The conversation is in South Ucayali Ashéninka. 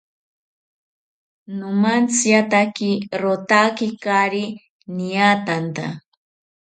Nomantziatake rotaki kaari niatanta